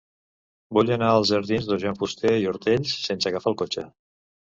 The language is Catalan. Vull anar als jardins de Joan Fuster i Ortells sense agafar el cotxe.